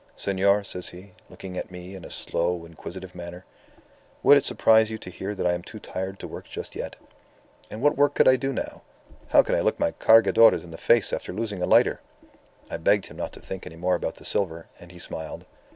"'Senor,' says he, looking at me in a slow, inquisitive manner, 'would it surprise you to hear that I am too tired to work just yet? And what work could I do now? How can I look my Cargadores in the face after losing a lighter?' "I begged him not to think any more about the silver, and he smiled.